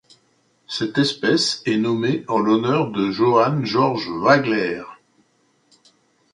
Cette espèce est nommée en l'honneur de Johann Georg Wagler.